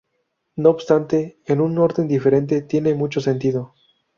No obstante, en un orden diferente tiene mucho sentido.